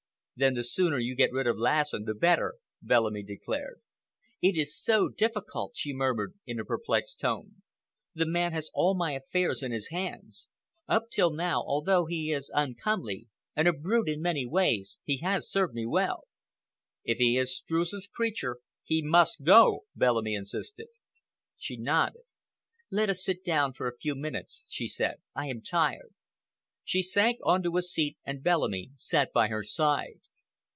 "Then the sooner you get rid of Lassen, the better," Bellamy declared. "It is so difficult," she murmured, in a perplexed tone. "The man has all my affairs in his hands. Up till now, although he is uncomely, and a brute in many ways, he has served me well." "If he is Streuss's creature he must go," Bellamy insisted. She nodded. "Let us sit down for a few minutes," she said. "I am tired." She sank on to a seat and Bellamy sat by her side.